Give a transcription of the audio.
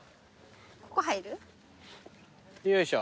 ここ入る？よいしょ。